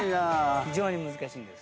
非常に難しいんです。